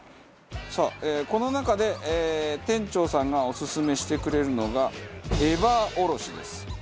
さあこの中で店長さんがオススメしてくれるのがエバーおろしです。